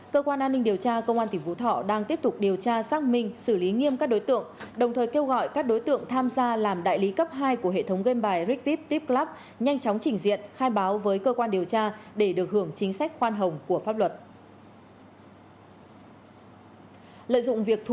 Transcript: cơ quan an ninh điều tra công an tỉnh phú thọ đang tiếp tục điều tra xác minh xử lý nghiêm các đối tượng đồng thời kêu gọi các đối tượng tham gia làm đại lý cấp hai của hệ thống game bài rigvip tip club nhanh chóng chỉnh diện khai báo với cơ quan điều tra để được hưởng chính sách khoan hồng của pháp luật